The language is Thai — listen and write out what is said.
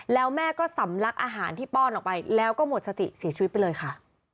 แล้วแม่ก็สำลักอาหารที่ป้อนออกไปแล้วก็หมดสติเสียชีวิตไปเลยค่ะ